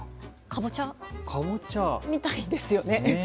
かぼちゃみたいですよね。